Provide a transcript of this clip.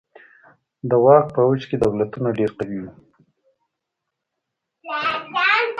د واک په اوج کي دولتونه ډیر قوي وي.